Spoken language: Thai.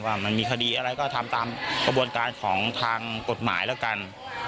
ว่ามันมีคดีอะไรก็ทำตามกระบวนการของทางกฎหมายแล้วกัน